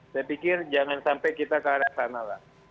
saya pikir jangan sampai kita ke arah sana lah